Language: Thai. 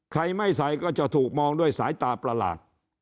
ใครไม่ใส่ก็จะถูกมองด้วยสายตาประหลาด